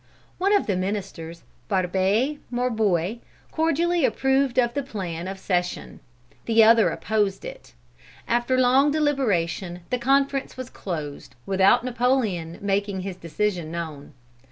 One of the ministers, Barbé Marbois, cordially approved of the plan of "cession." The other opposed it. After long deliberation, the conference was closed, without Napoleon making known his decision.